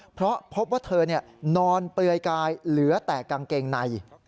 เพราะพบว่าเธอนอนเปลือยกายเหลือแต่กางเกงใน